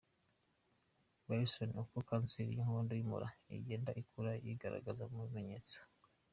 Belson: Uko kanseri y’inkondo y’umura igenda ikura yigaragaza mu bimenyetso .